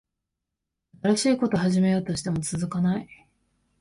新しいこと始めようとしても続かない